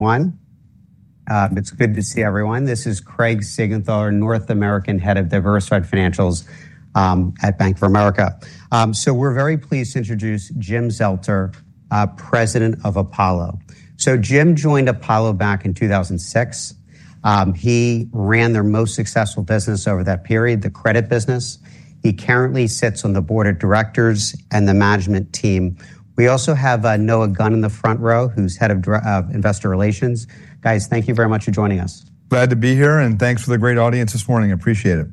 It's good to see everyone. This is Craig Signethal, North American Head of Diversified Financials at Bank of America. We're very pleased to introduce Jim Zelter, President of Apollo. Jim joined Apollo back in 2006. He ran their most successful business over that period, the credit business. He currently sits on the Board of Directors and the Management Team. We also have Noah Gunn in the front row, who's Head of Investor Relations. Guys, thank you very much for joining us. Glad to be here, and thanks for the great audience this morning. Appreciate it.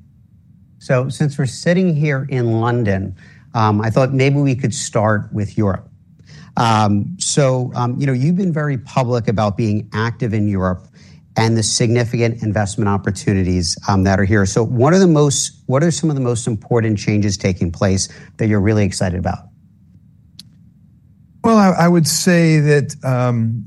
Since we're sitting here in London, I thought maybe we could start with Europe. You've been very public about being active in Europe and the significant investment opportunities that are here. What are some of the most important changes taking place that you're really excited about? I would say that,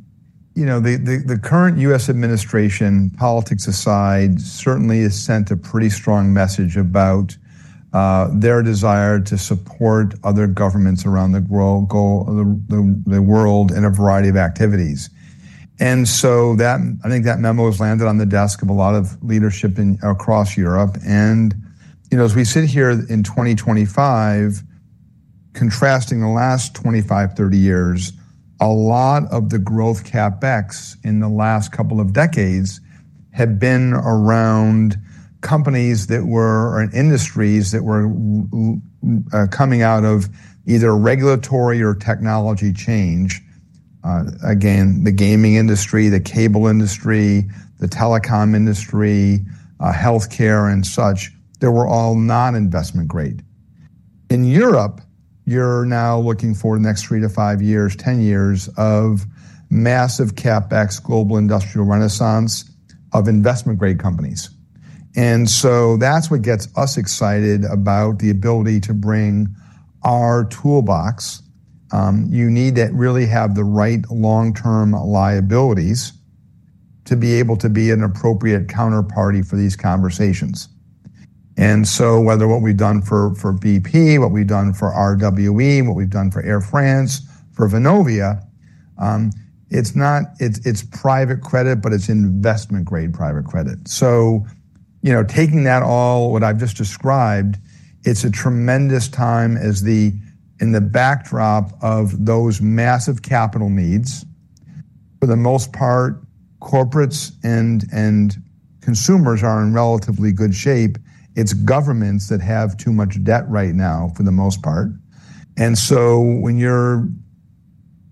you know, the current U.S. administration, politics aside, certainly has sent a pretty strong message about their desire to support other governments around the world in a variety of activities. I think that memo has landed on the desk of a lot of leadership across Europe. As we sit here in 2025, contrasting the last 25, 30 years, a lot of the growth CapEx in the last couple of decades had been around companies that were, or industries that were, coming out of either regulatory or technology change. Again, the gaming industry, the cable industry, the telecom industry, healthcare, and such, they were all non-investment grade. In Europe, you're now looking for the next three to five years, ten years of massive CapEx global industrial renaissance of investment grade companies. That's what gets us excited about the ability to bring our toolbox. You need to really have the right long-term liabilities to be able to be an appropriate counterparty for these conversations. Whether what we've done for BP, what we've done for RWE, what we've done for Air France, for Vonovia, it's not, it's private credit, but it's investment grade private credit. Taking that all, what I've just described, it's a tremendous time as the, in the backdrop of those massive capital needs, for the most part, corporates and consumers are in relatively good shape. It's governments that have too much debt right now for the most part. When you're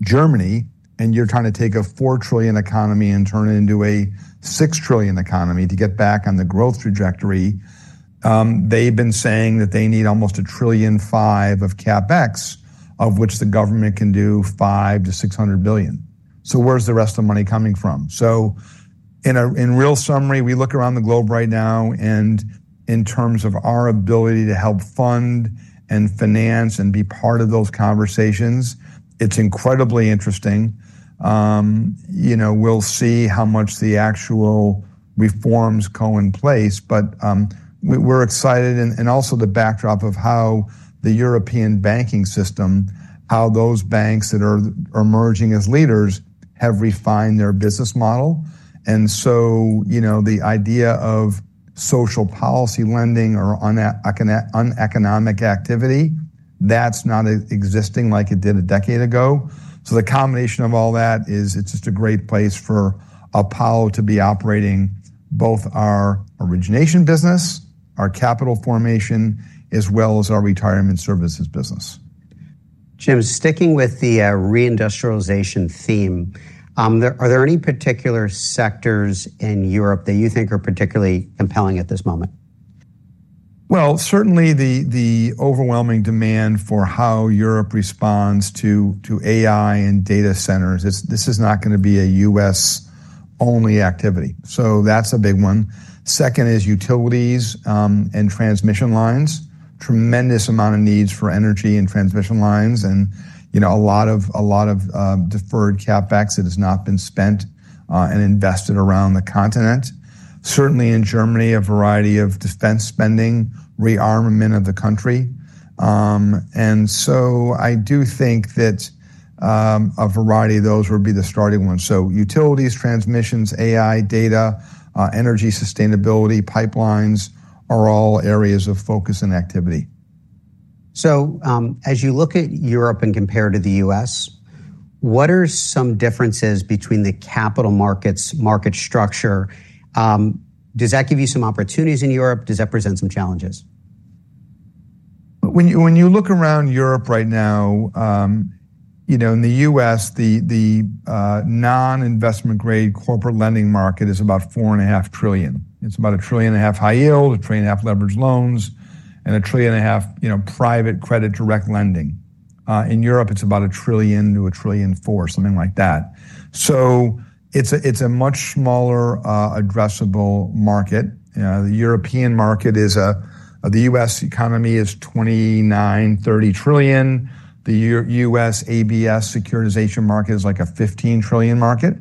Germany and you're trying to take a $4 trillion economy and turn it into a $6 trillion economy to get back on the growth trajectory, they've been saying that they need almost $1.5 trillion of CapEx, of which the government can do $500 to $600 billion. Where's the rest of the money coming from? In real summary, we look around the globe right now, and in terms of our ability to help fund and finance and be part of those conversations, it's incredibly interesting. We'll see how much the actual reforms go in place, but we're excited and also the backdrop of how the European banking system, how those banks that are emerging as leaders have refined their business model. The idea of social policy lending or uneconomic activity, that's not existing like it did a decade ago. The combination of all that is, it's just a great place for Apollo Global Management to be operating both our origination business, our capital formation, as well as our retirement services business. James, sticking with the reindustrialization theme, are there any particular sectors in Europe that you think are particularly compelling at this moment? Certainly, the overwhelming demand for how Europe responds to AI and data centers is not going to be a U.S.-only activity. That's a big one. Second is utilities and transmission lines. Tremendous amount of needs for energy and transmission lines, and a lot of deferred CapEx that has not been spent and invested around the continent. Certainly in Germany, a variety of defense spending, rearmament of the country. I do think that a variety of those would be the starting ones. Utilities, transmissions, AI, data, energy, sustainability, pipelines are all areas of focus and activity. As you look at Europe and compare to the US, what are some differences between the capital markets, market structure? Does that give you some opportunities in Europe? Does that present some challenges? When you look around Europe right now, you know, in the U.S., the non-investment grade corporate lending market is about $4.5 trillion. It's about $1.5 trillion high yield, $1.5 trillion leveraged loans, and $1.5 trillion, you know, private credit direct lending. In Europe, it's about $1 trillion to $1.4 trillion, something like that. It's a much smaller addressable market. The European market is, the U.S. economy is $29 trillion, $30 trillion. The U.S. ABS securitization market is like a $15 trillion market.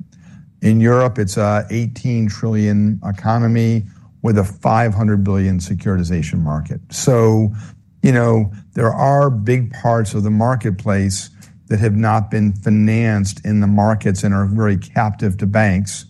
In Europe, it's an $18 trillion economy with a $500 billion securitization market. There are big parts of the marketplace that have not been financed in the markets and are very captive to banks.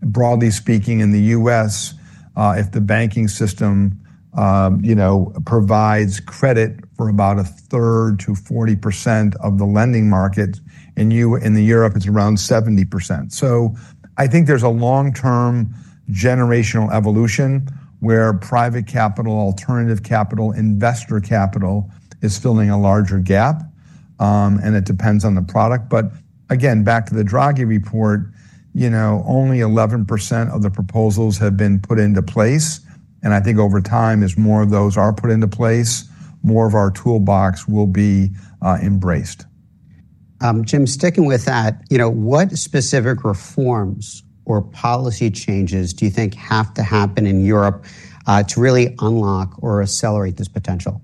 Broadly speaking, in the U.S., if the banking system provides credit for about a third to 40% of the lending market, in Europe, it's around 70%. I think there's a long-term generational evolution where private capital, alternative capital, investor capital is filling a larger gap. It depends on the product. Again, back to the Draghi report, only 11% of the proposals have been put into place. I think over time, as more of those are put into place, more of our toolbox will be embraced. Jim, sticking with that, what specific reforms or policy changes do you think have to happen in Europe to really unlock or accelerate this potential?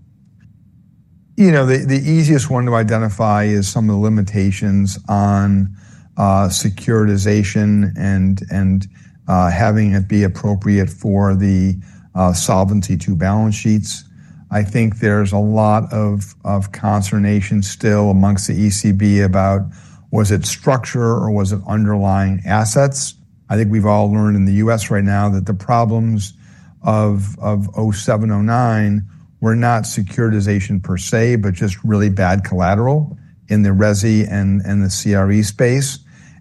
You know, the easiest one to identify is some of the limitations on securitization and having it be appropriate for the solvency to balance sheets. I think there's a lot of consternation still amongst the ECB about was it structure or was it underlying assets? I think we've all learned in the U.S. right now that the problems of 2007, 2009 were not securitization per se, but just really bad collateral in the REZI and the CRE space.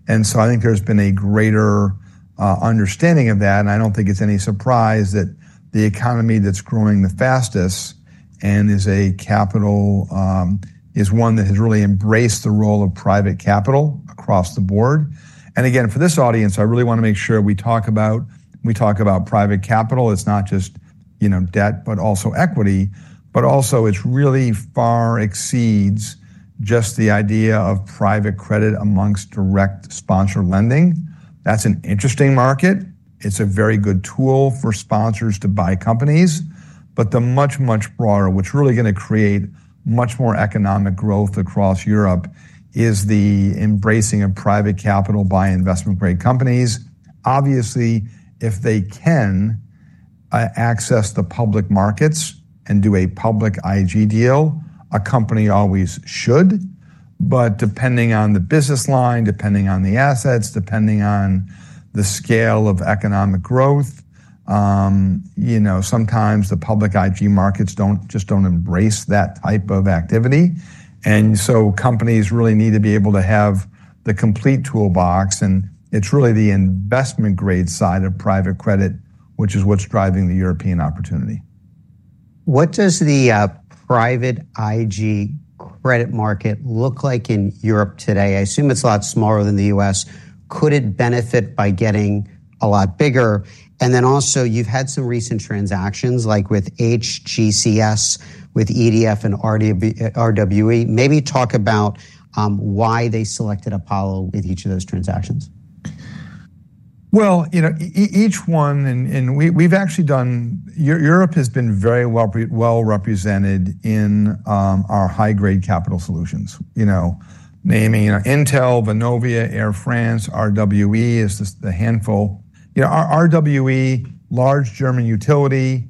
I think there's been a greater understanding of that. I don't think it's any surprise that the economy that's growing the fastest and is a capital, is one that has really embraced the role of private capital across the board. For this audience, I really want to make sure we talk about private capital. It's not just, you know, debt, but also equity, but also it really far exceeds just the idea of private credit amongst direct sponsor lending. That's an interesting market. It's a very good tool for sponsors to buy companies. The much, much broader, which is really going to create much more economic growth across Europe, is the embracing of private capital by investment grade companies. Obviously, if they can access the public markets and do a public IG deal, a company always should. Depending on the business line, depending on the assets, depending on the scale of economic growth, sometimes the public IG markets just don't embrace that type of activity. Companies really need to be able to have the complete toolbox, and it's really the investment grade side of private credit, which is what's driving the European opportunity. What does the private IG credit market look like in Europe today? I assume it's a lot smaller than the US. Could it benefit by getting a lot bigger? You've had some recent transactions like with HGCS, with EDF, and RWE. Maybe talk about why they selected Apollo with each of those transactions. You know, each one, and we've actually done, Europe has been very well represented in our high-grade capital solutions. Naming, you know, Intel, Vonovia, Air France, RWE is just a handful. RWE, large German utility,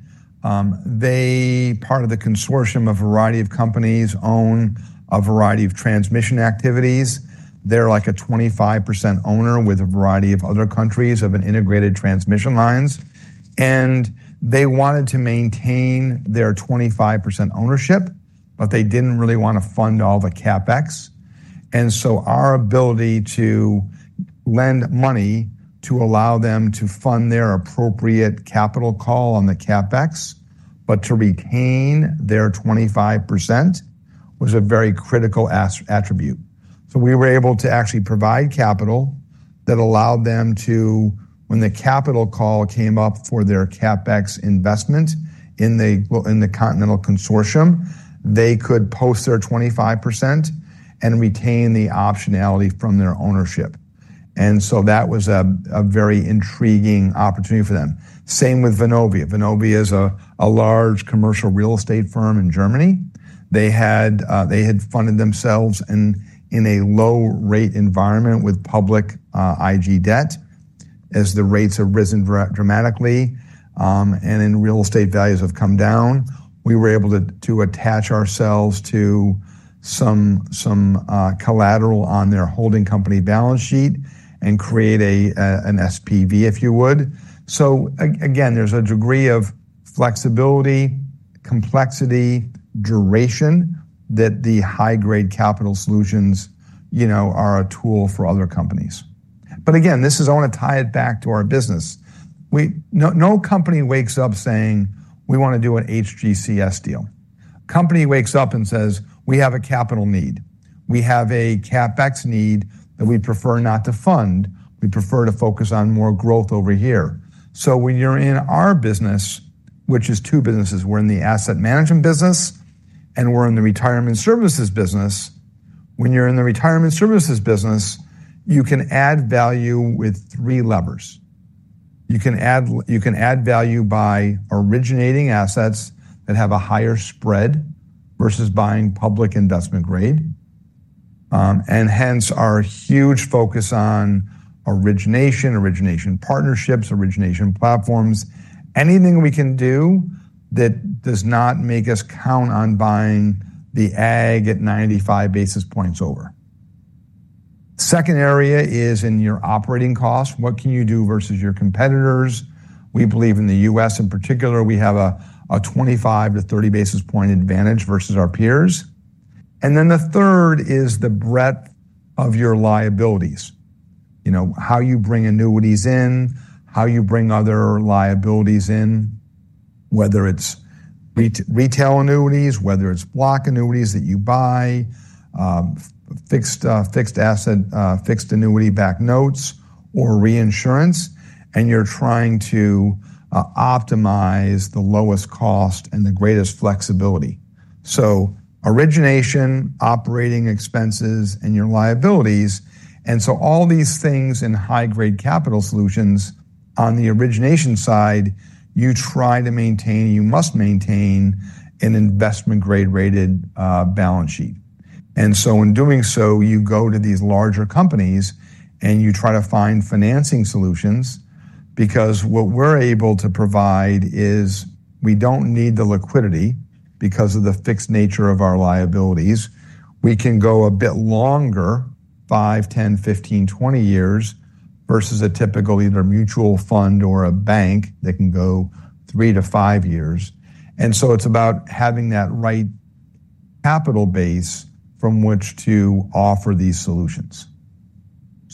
they, part of the consortium of a variety of companies, own a variety of transmission activities. They're like a 25% owner with a variety of other countries of integrated transmission lines. They wanted to maintain their 25% ownership, but they didn't really want to fund all the CapEx. Our ability to lend money to allow them to fund their appropriate capital call on the CapEx, but to retain their 25% was a very critical attribute. We were able to actually provide capital that allowed them to, when the capital call came up for their CapEx investment in the continental consortium, they could post their 25% and retain the optionality from their ownership. That was a very intriguing opportunity for them. Same with Vonovia. Vonovia is a large commercial real estate firm in Germany. They had funded themselves in a low-rate environment with public IG debt. As the rates have risen dramatically, and real estate values have come down, we were able to attach ourselves to some collateral on their holding company balance sheet and create an SPV, if you would. Again, there's a degree of flexibility, complexity, duration that the high-grade capital solutions are a tool for other companies. This is, I want to tie it back to our business. No company wakes up saying, we want to do an HGCS deal. Company wakes up and says, we have a capital need. We have a CapEx need that we prefer not to fund. We prefer to focus on more growth over here. When you're in our business, which is two businesses, we're in the asset management business and we're in the retirement services business. When you're in the retirement services business, you can add value with three levers. You can add value by originating assets that have a higher spread versus buying public investment grade, and hence our huge focus on origination, origination partnerships, origination platforms, anything we can do that does not make us count on buying the ag at 95 basis points over. Second area is in your operating cost. What can you do versus your competitors? We believe in the U.S. in particular, we have a 25 to 30 basis point advantage versus our peers. The third is the breadth of your liabilities. You know, how you bring annuities in, how you bring other liabilities in, whether it's retail annuities, whether it's block annuities that you buy, fixed asset, fixed annuity backed notes, or reinsurance, and you're trying to optimize the lowest cost and the greatest flexibility. Origination, operating expenses, and your liabilities, all these things in high-grade capital solutions, on the origination side, you try to maintain, you must maintain an investment grade rated balance sheet. In doing so, you go to these larger companies and you try to find financing solutions because what we're able to provide is we don't need the liquidity because of the fixed nature of our liabilities. We can go a bit longer, 5, 10, 15, 20 years versus a typical either mutual fund or a bank that can go three to five years. It's about having that right capital base from which to offer these solutions.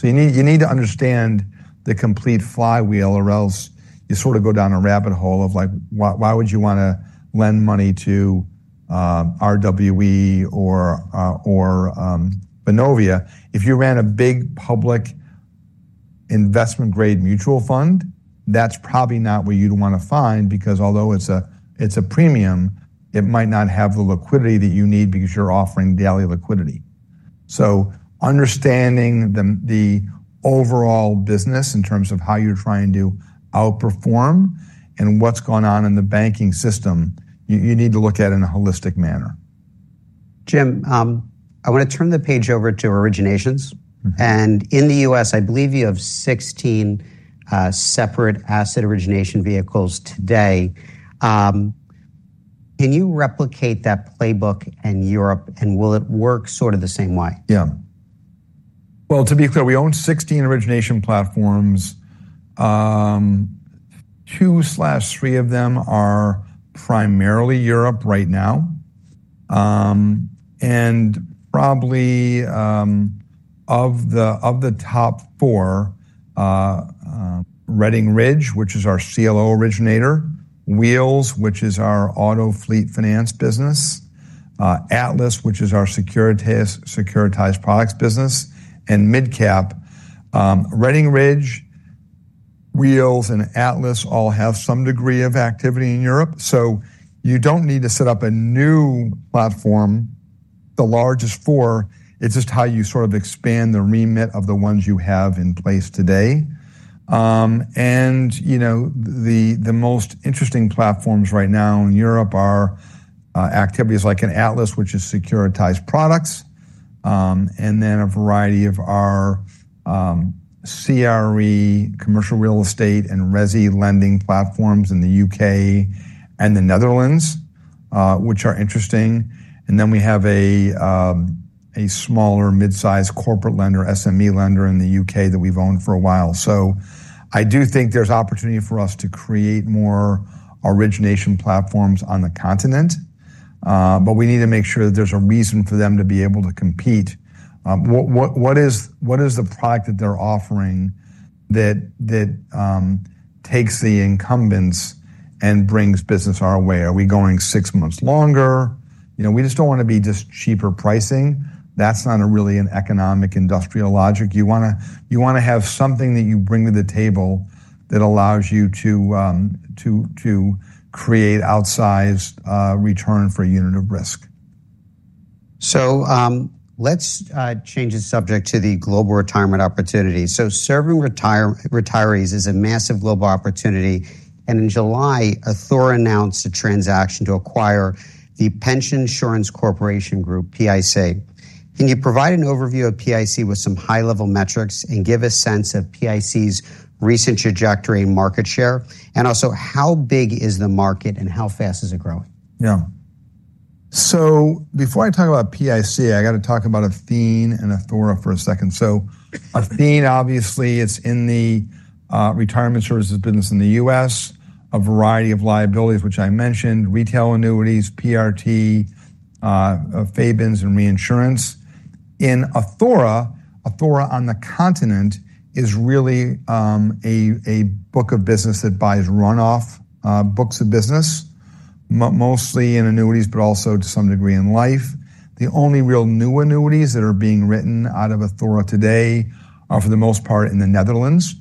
You need to understand the complete flywheel or else you sort of go down a rabbit hole of like, why would you want to lend money to RWE or Vonovia? If you ran a big public investment grade mutual fund, that's probably not where you'd want to find because although it's a premium, it might not have the liquidity that you need because you're offering daily liquidity. Understanding the overall business in terms of how you're trying to outperform and what's going on in the banking system, you need to look at it in a holistic manner. Jim, I want to turn the page over to originations. In the U.S., I believe you have 16 separate asset origination vehicles today. Can you replicate that playbook in Europe, and will it work sort of the same way? To be clear, we own 16 origination platforms. Two or three of them are primarily Europe right now. Probably of the top four, Redding Ridge, which is our CLO originator, Wheels, which is our auto fleet finance business, Atlas, which is our securitized products business, and MidCap. Redding Ridge, Wheels, and Atlas all have some degree of activity in Europe. You don't need to set up a new platform. The largest four, it's just how you sort of expand the remit of the ones you have in place today. The most interesting platforms right now in Europe are activities like an Atlas, which is securitized products, and then a variety of our CRE, commercial real estate, and RESI lending platforms in the UK and the Netherlands, which are interesting. We have a smaller mid-sized corporate lender, SME lender in the UK that we've owned for a while. I do think there's opportunity for us to create more origination platforms on the continent, but we need to make sure that there's a reason for them to be able to compete. What is the product that they're offering that takes the incumbents and brings business our way? Are we going six months longer? We just don't want to be just cheaper pricing. That's not really an economic industrial logic. You want to have something that you bring to the table that allows you to create outsized return for a unit of risk. Let's change the subject to the global retirement opportunity. Serving retirees is a massive global opportunity. In July, Athora announced a transaction to acquire the Pension Insurance Corporation Group, PIC. Can you provide an overview of PIC with some high-level metrics and give a sense of PIC's recent trajectory and market share? Also, how big is the market and how fast is it growing? Yeah. Before I talk about PIC, I got to talk about Athene and Athora for a second. Athene, obviously, it's in the retirement services business in the U.S., a variety of liabilities, which I mentioned, retail annuities, PRT, FEBINs, and reinsurance. In Athora, Athora on the continent is really a book of business that buys runoff books of business, mostly in annuities, but also to some degree in life. The only real new annuities that are being written out of Athora today are, for the most part, in the Netherlands.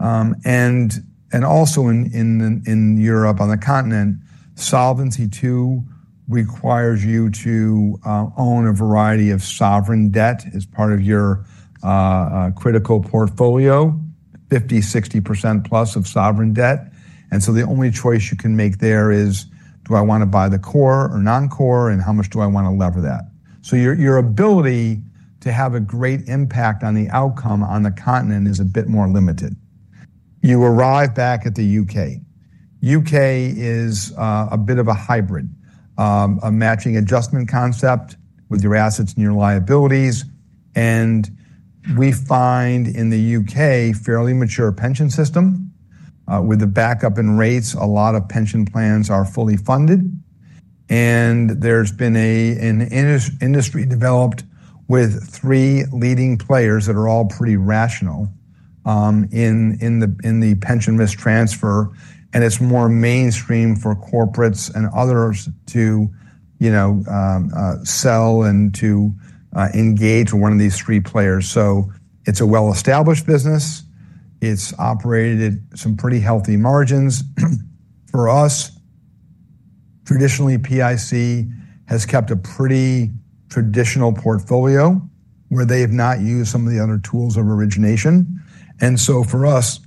Also, in Europe on the continent, Solvency2 requires you to own a variety of sovereign debt as part of your critical portfolio, 50%, 60% plus of sovereign debt. The only choice you can make there is, do I want to buy the core or non-core and how much do I want to lever that? Your ability to have a great impact on the outcome on the continent is a bit more limited. You arrive back at the UK. UK is a bit of a hybrid, a matching adjustment concept with your assets and your liabilities. We find in the UK a fairly mature pension system, with a backup in rates. A lot of pension plans are fully funded. There's been an industry developed with three leading players that are all pretty rational in the pension risk transfer. It's more mainstream for corporates and others to sell and to engage with one of these three players. It's a well-established business. It's operated at some pretty healthy margins. For us, traditionally, PIC has kept a pretty traditional portfolio where they have not used some of the other tools of origination. For us,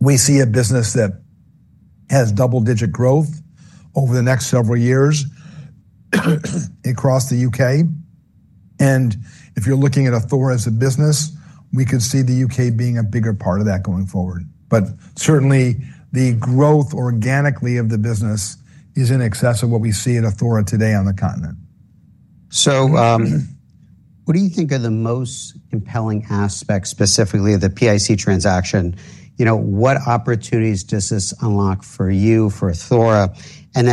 we see a business that has double-digit growth over the next several years across the UK. If you're looking at Athora as a business, we could see the UK being a bigger part of that going forward. Certainly, the growth organically of the business is in excess of what we see in Athora today on the continent. What do you think are the most compelling aspects specifically of the PIC transaction? What opportunities does this unlock for you, for Athora?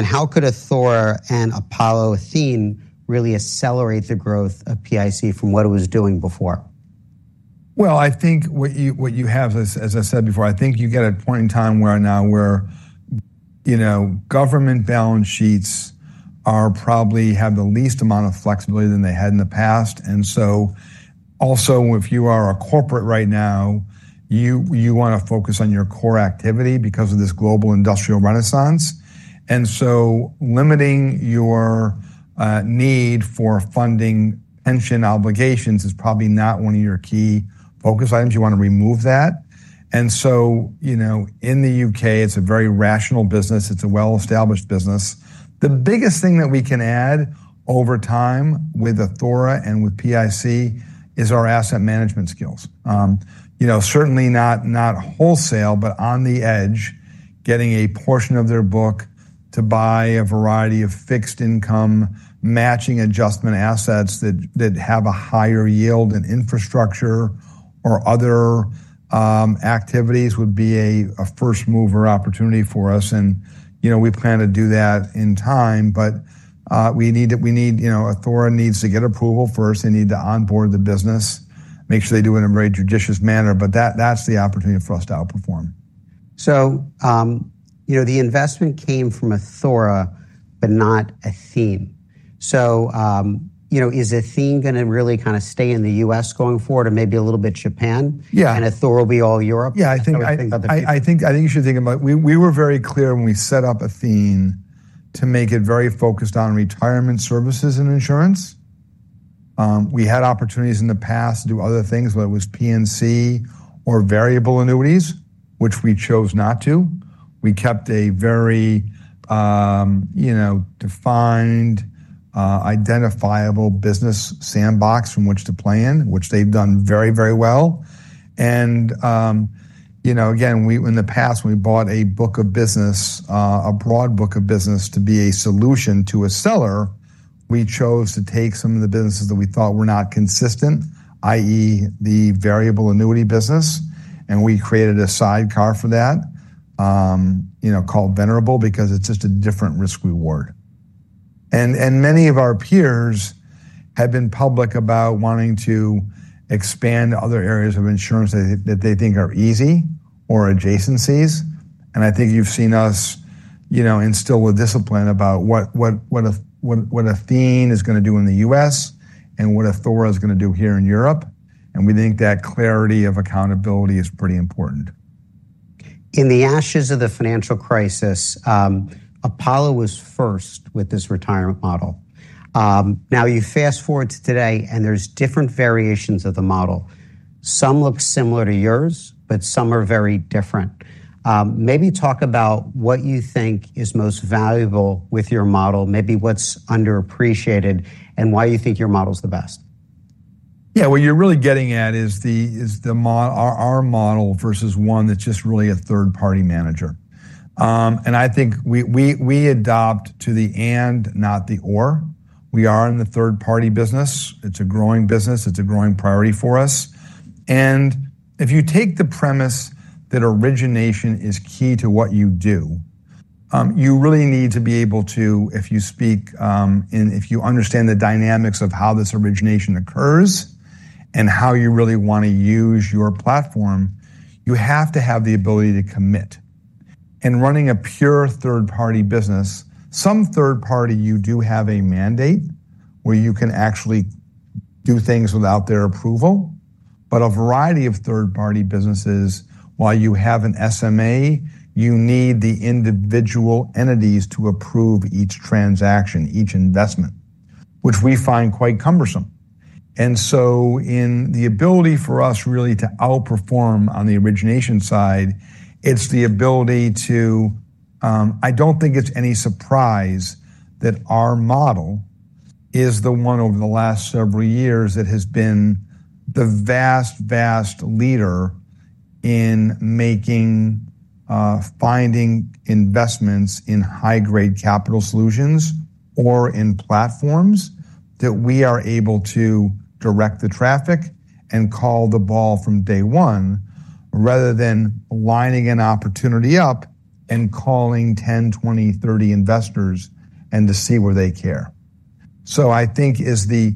How could Athora and Apollo Athene really accelerate the growth of PIC from what it was doing before? I think you get at a point in time now where, you know, government balance sheets probably have the least amount of flexibility than they had in the past. Also, if you are a corporate right now, you want to focus on your core activity because of this global industrial renaissance. Limiting your need for funding pension obligations is probably not one of your key focus items. You want to remove that. In the UK, it's a very rational business. It's a well-established business. The biggest thing that we can add over time with Athora and with PIC is our asset management skills. Certainly not wholesale, but on the edge, getting a portion of their book to buy a variety of fixed income, matching adjustment assets that have a higher yield and infrastructure or other activities would be a first mover opportunity for us. We plan to do that in time, but we need to, you know, Athora needs to get approval first. They need to onboard the business, make sure they do it in a very judicious manner. That's the opportunity for us to outperform. The investment came from Athora, but not Athene. Is Athene going to really kind of stay in the U.S. going forward or maybe a little bit Japan? Yeah. Will Athora be all Europe? I think you should think about, we were very clear when we set up Athene to make it very focused on retirement services and insurance. We had opportunities in the past to do other things, whether it was PNC or variable annuities, which we chose not to. We kept a very defined, identifiable business sandbox from which to play in, which they've done very, very well. In the past, when we bought a book of business, a broad book of business to be a solution to a seller, we chose to take some of the businesses that we thought were not consistent, i.e., the variable annuity business. We created a sidecar for that, called Venerable because it's just a different risk reward. Many of our peers have been public about wanting to expand other areas of insurance that they think are easy or adjacencies. I think you've seen us instill the discipline about what Athene is going to do in the U.S. and what Athora is going to do here in Europe. We think that clarity of accountability is pretty important. In the ashes of the financial crisis, Apollo was first with this retirement model. Now you fast forward to today and there's different variations of the model. Some look similar to yours, but some are very different. Maybe talk about what you think is most valuable with your model, maybe what's underappreciated and why you think your model's the best. Yeah, what you're really getting at is the model, our model versus one that's just really a third-party manager. I think we adopt to the and not the or. We are in the third-party business. It's a growing business. It's a growing priority for us. If you take the premise that origination is key to what you do, you really need to be able to, if you speak, and if you understand the dynamics of how this origination occurs and how you really want to use your platform, you have to have the ability to commit. Running a pure third-party business, some third party, you do have a mandate where you can actually do things without their approval. A variety of third-party businesses, while you have an SMA, you need the individual entities to approve each transaction, each investment, which we find quite cumbersome. In the ability for us really to outperform on the origination side, it's the ability to, I don't think it's any surprise that our model is the one over the last several years that has been the vast, vast leader in making, finding investments in high-grade capital solutions or in platforms that we are able to direct the traffic and call the ball from day one, rather than lining an opportunity up and calling 10, 20, 30 investors to see where they care. I think it is the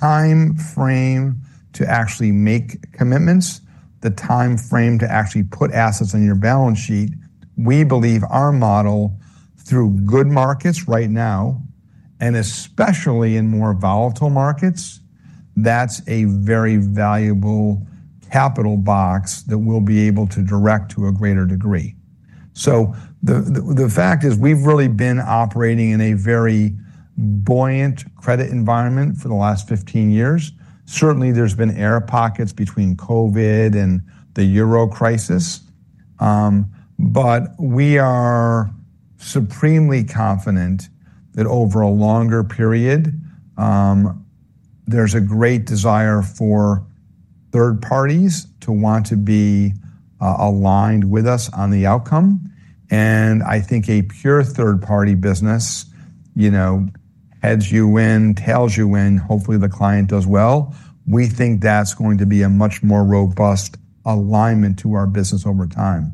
time frame to actually make commitments, the time frame to actually put assets on your balance sheet. We believe our model through good markets right now, and especially in more volatile markets, that's a very valuable capital box that we'll be able to direct to a greater degree. The fact is we've really been operating in a very buoyant credit environment for the last 15 years. Certainly, there's been air pockets between COVID and the Euro crisis. We are supremely confident that over a longer period, there's a great desire for third parties to want to be aligned with us on the outcome. I think a pure third-party business, you know, heads you in, tails you in, hopefully the client does well. We think that's going to be a much more robust alignment to our business over time.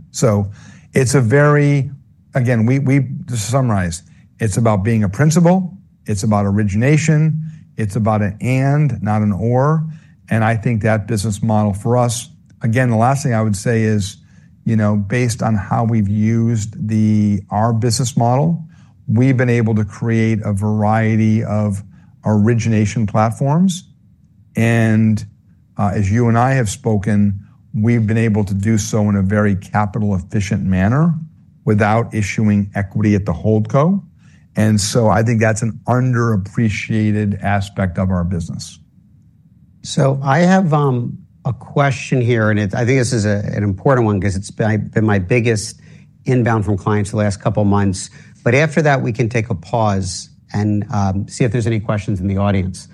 Again, to summarize, it's about being a principal, it's about origination, it's about an and, not an or. I think that business model for us, again, the last thing I would say is, you know, based on how we've used our business model, we've been able to create a variety of origination platforms. As you and I have spoken, we've been able to do so in a very capital-efficient manner without issuing equity at the holdco. I think that's an underappreciated aspect of our business. I have a question here, and I think this is an important one because it's been my biggest inbound from clients the last couple of months. After that, we can take a pause and see if there's any questions in the audience.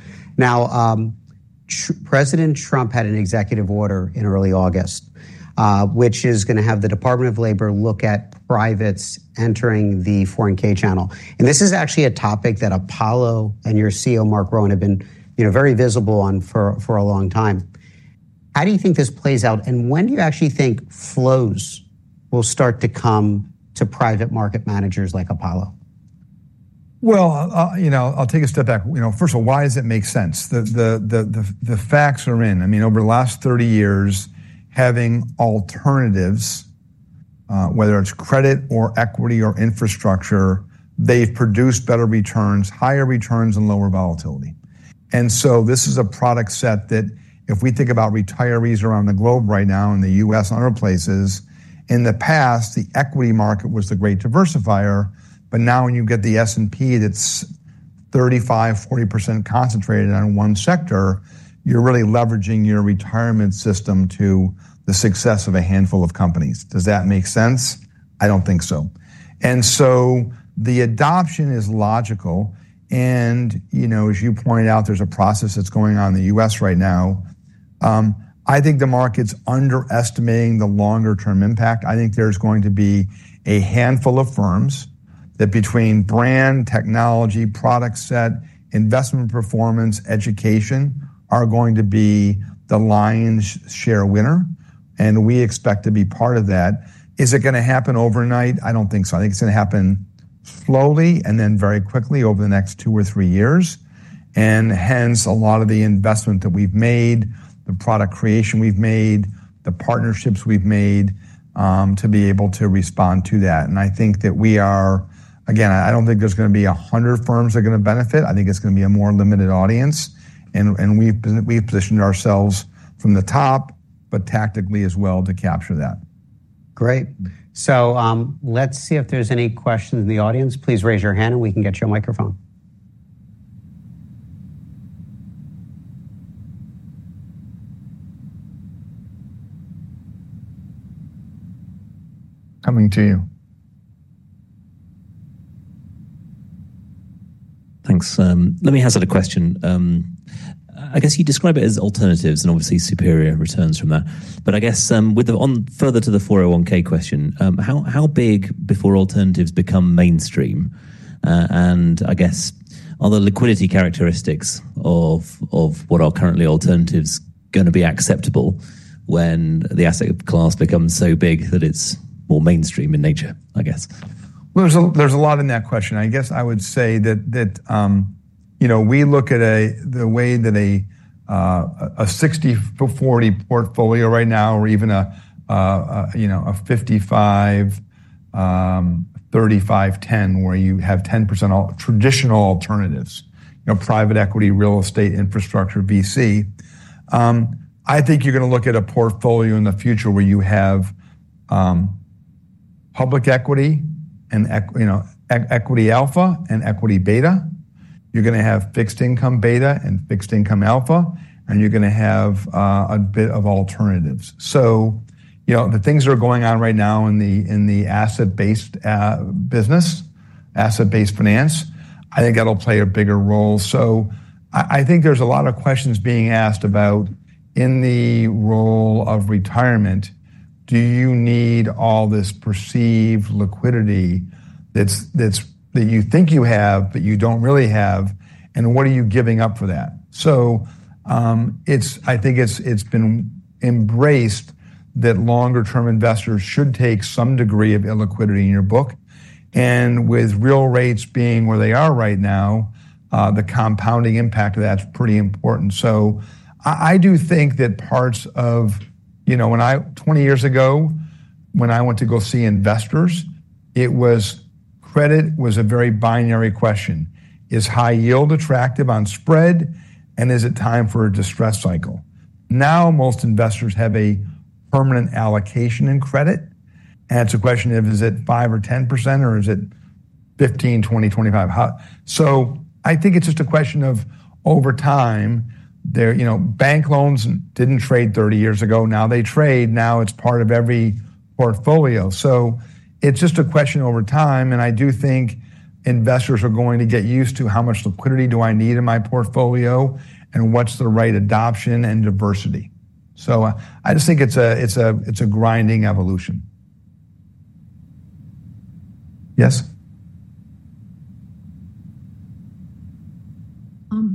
President Trump had an executive order in early August, which is going to have the Department of Labor look at privates entering the 401(k) channel. This is actually a topic that Apollo and your CEO, Marc Rowan, have been, you know, very visible on for a long time. How do you think this plays out? When do you actually think flows will start to come to private market managers like Apollo? I'll take a step back. First of all, why does it make sense? The facts are in. Over the last 30 years, having alternatives, whether it's credit or equity or infrastructure, they've produced better returns, higher returns, and lower volatility. This is a product set that if we think about retirees around the globe right now in the U.S. and other places, in the past, the equity market was the great diversifier. Now when you get the S&P that's 35% to 40% concentrated on one sector, you're really leveraging your retirement system to the success of a handful of companies. Does that make sense? I don't think so. The adoption is logical. As you pointed out, there's a process that's going on in the U.S. right now. I think the market's underestimating the longer-term impact. I think there's going to be a handful of firms that, between brand, technology, product set, investment performance, education, are going to be the lion's share winner. We expect to be part of that. Is it going to happen overnight? I don't think so. I think it's going to happen slowly and then very quickly over the next two or three years. Hence a lot of the investment that we've made, the product creation we've made, the partnerships we've made, to be able to respond to that. I think that we are, again, I don't think there's going to be a hundred firms that are going to benefit. I think it's going to be a more limited audience. We've positioned ourselves from the top, but tactically as well to capture that. Great. Let's see if there's any questions in the audience. Please raise your hand and we can get you a microphone. Coming to you. Thanks. Let me hazard a question. I guess you describe it as alternatives and obviously superior returns from that. Further to the 401(k) question, how big before alternatives become mainstream? I guess, are the liquidity characteristics of what are currently alternatives going to be acceptable when the asset class becomes so big that it's more mainstream in nature? There's a lot in that question. I guess I would say that we look at the way that a 60-40 portfolio right now, or even a 55, 35, 10, where you have 10% traditional alternatives, you know, private equity, real estate, infrastructure, BC. I think you're going to look at a portfolio in the future where you have public equity and, you know, equity alpha and equity beta. You're going to have fixed income beta and fixed income alpha, and you're going to have a bit of alternatives. The things that are going on right now in the asset-based business, asset-based finance, I think that'll play a bigger role. I think there's a lot of questions being asked about the role of retirement. Do you need all this perceived liquidity that you think you have, but you don't really have? What are you giving up for that? It's been embraced that longer-term investors should take some degree of illiquidity in your book. With real rates being where they are right now, the compounding impact of that's pretty important. I do think that parts of, you know, when I, 20 years ago, when I went to go see investors, it was credit was a very binary question. Is high yield attractive on spread? Is it time for a distress cycle? Now, most investors have a permanent allocation in credit. It's a question of, is it 5 or 10% or is it 15, 20, 25%? I think it's just a question of over time, there, you know, bank loans didn't trade 30 years ago. Now they trade. Now it's part of every portfolio. It's just a question over time. I do think investors are going to get used to how much liquidity do I need in my portfolio and what's the right adoption and diversity. I just think it's a grinding evolution. Yes.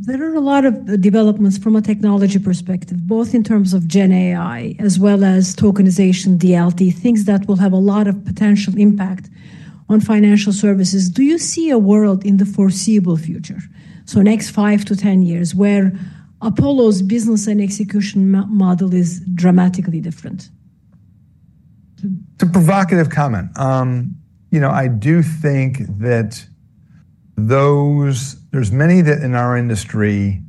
There are a lot of developments from a technology perspective, both in terms of Gen AI as well as tokenization, distributed ledger technology, things that will have a lot of potential impact on financial services. Do you see a world in the foreseeable future, the next five to ten years, where Apollo Global Management's business and execution model is dramatically different? It's a provocative comment. I do think that there's many in our industry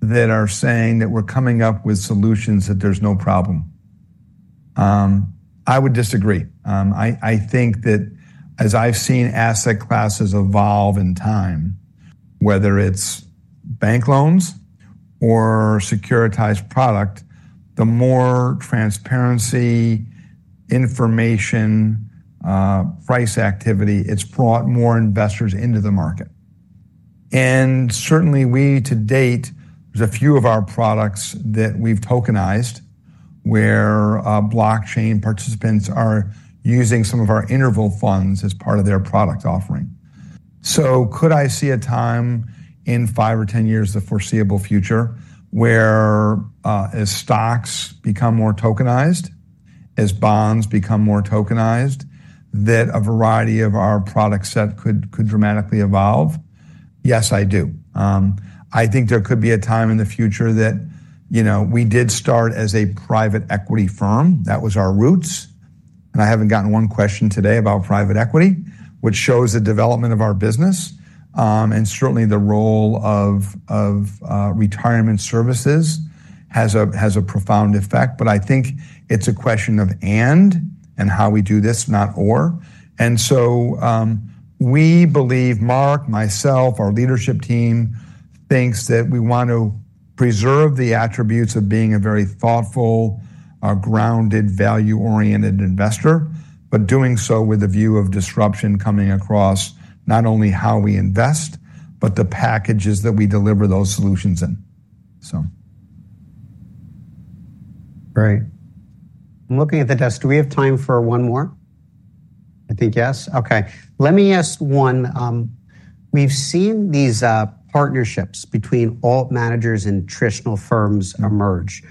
that are saying that we're coming up with solutions where there's no problem. I would disagree. I think that as I've seen asset classes evolve in time, whether it's bank loans or securitized product, the more transparency, information, price activity, it's brought more investors into the market. Certainly, to date, there's a few of our products that we've tokenized where blockchain participants are using some of our interval funds as part of their product offering. Could I see a time in five or ten years of the foreseeable future where, as stocks become more tokenized, as bonds become more tokenized, that a variety of our product set could dramatically evolve? Yes, I do. I think there could be a time in the future that, you know, we did start as a private equity firm. That was our roots. I haven't gotten one question today about private equity, which shows the development of our business. Certainly, the role of retirement services has a profound effect. I think it's a question of and how we do this, not or. We believe Marc, myself, our leadership team thinks that we want to preserve the attributes of being a very thoughtful, grounded, value-oriented investor, but doing so with a view of disruption coming across not only how we invest, but the packages that we deliver those solutions in. Great. I'm looking at the desk. Do we have time for one more? I think yes. Okay. Let me ask one. We've seen these partnerships between alt managers and traditional firms emerge.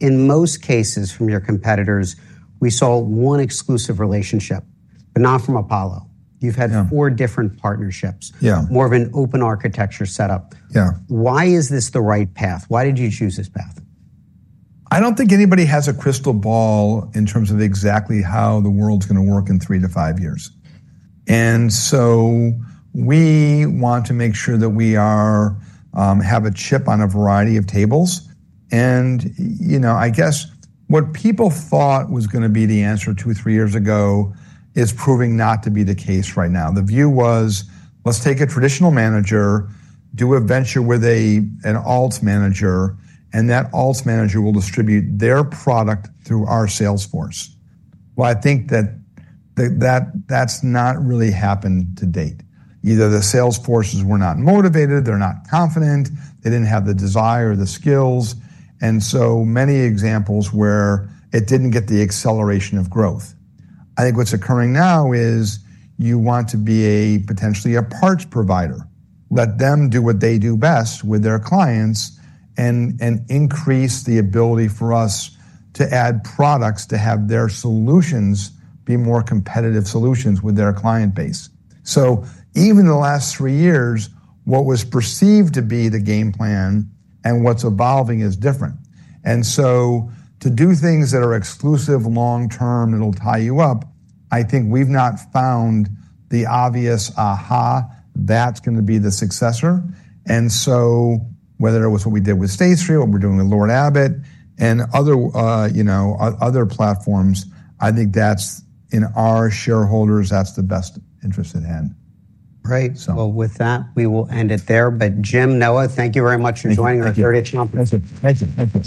In most cases from your competitors, we saw one exclusive relationship, but not from Apollo. You've had four different partnerships. Yeah. More of an open architecture setup. Yeah. Why is this the right path? Why did you choose this path? I don't think anybody has a crystal ball in terms of exactly how the world's going to work in three to five years. We want to make sure that we have a chip on a variety of tables. What people thought was going to be the answer two or three years ago is proving not to be the case right now. The view was, let's take a traditional manager, do a venture with an alt manager, and that alt manager will distribute their product through our sales force. I think that that's not really happened to date. Either the sales forces were not motivated, they're not confident, they didn't have the desire or the skills. There are so many examples where it didn't get the acceleration of growth. I think what's occurring now is you want to be potentially a parts provider. Let them do what they do best with their clients and increase the ability for us to add products to have their solutions be more competitive solutions with their client base. Even in the last three years, what was perceived to be the game plan and what's evolving is different. To do things that are exclusive long term, it'll tie you up. I think we've not found the obvious aha, that's going to be the successor. Whether it was what we did with Stacey, what we're doing with Lord Abbett and other platforms, I think that's in our shareholders, that's the best interest at hand. Great. With that, we will end it there. Jim, Noah, thank you very much for joining our 30th conference. Thank you.